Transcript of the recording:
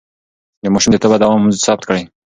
د ماشوم د تبه دوام ثبت کړئ.